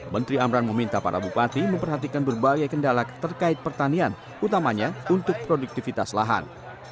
menteri amran meminta para bupati memperhatikan berbagai kendala terkait pertanian utamanya untuk produktivitas lahan